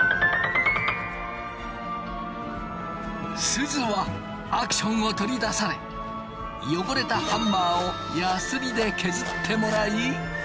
すずはアクションを取り出されよごれたハンマーをやすりで削ってもらい。